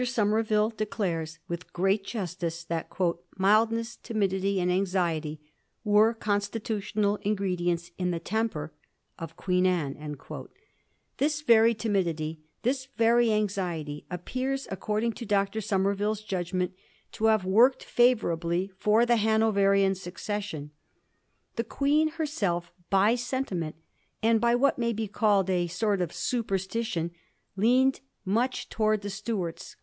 Somerville declares with great justice that ' mildness, timidity, and anxiety were constitutional ingre dients in the temper ' of Queen Anne, This very timidity, this very anxiety, appears, according to Dr. Somerville's judgment, to have worked favour ably for the Hanoverian succession. The Queen herself by sentiment, and by what may be called a sort of superstition, leaned much towards the Stuarts.